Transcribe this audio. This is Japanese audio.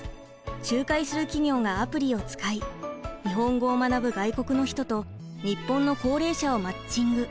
仲介する企業がアプリを使い日本語を学ぶ外国の人と日本の高齢者をマッチング。